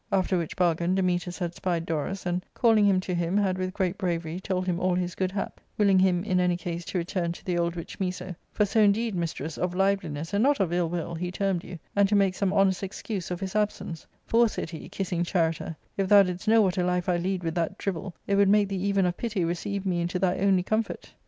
After which bargain Dametas had spied Dorus, and, calling him to him, had, with great bravery, told him all his good hap, willing him in any case to return to the old witch Miso—" for so in deed, mistress, of liveliness, and not of ill willy he termed you — and to make some honest excuse of his absence ;* for,' said he, kissing Charita, * if thou didst know what a life I lead with that drivel, it would make thee even of pity receive me into thy only comfort.'